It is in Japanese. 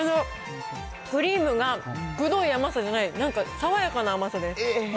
クリームがくどい甘さじゃない、なんか爽やかな甘さです。